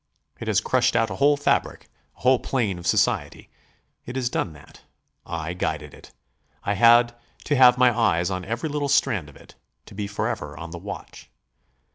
It has crushed out a whole fabric, a whole plane of society. It has done that. I guided it. I had to have my eyes on every little strand of it; to be forever on the watch."